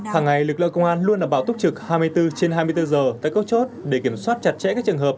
hàng ngày lực lượng công an luôn đảm bảo túc trực hai mươi bốn trên hai mươi bốn giờ tại các chốt để kiểm soát chặt chẽ các trường hợp